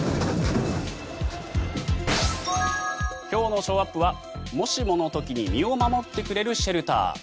今日のショーアップはもしもの時に身を守ってくれるシェルター。